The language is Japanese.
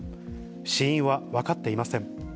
死因は分かっていません。